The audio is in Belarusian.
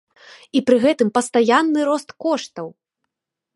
І пры гэтым пастаянны рост коштаў!